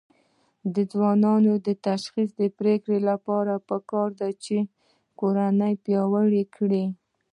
د ځوانانو د شخصي پرمختګ لپاره پکار ده چې کورنۍ پیاوړې کړي.